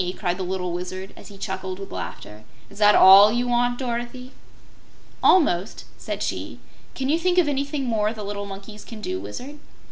cried the little Wizard, as he chuckled with laughter. "Is that ALL you want, Dorothy?" "Almost," said she. "Can you think of anything more the little monkeys can do, Wizard?"